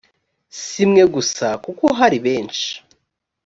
si mwe gusa kuko hari benshi